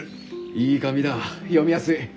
いい紙だ読みやすい。